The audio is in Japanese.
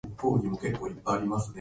この世界が愛で溢れますように